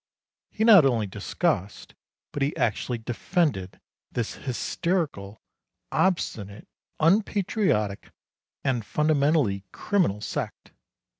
He not only discussed, but he actually defended this hysterical, obstinate, unpatriotic, and fundamentally criminal sect.